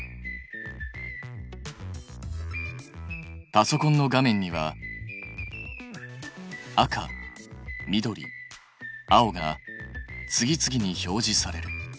パソコンの画面には赤緑青が次々に表示される。